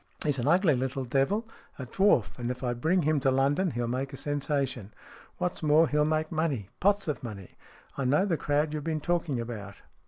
He's an ugly little devil, a dwarf, and if I bring him to London he'll make a sensation. What's more, he'll make money. Pots of money. I know the crowd you've been talking about.